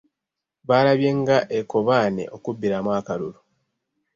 Balabye nga ekkobaane okubbiramu akalulu.